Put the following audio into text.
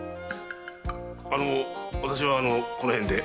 あの私はこのへんで。